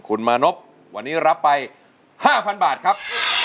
คุณมานบวันนี้รับไปห้าพันบาทครับ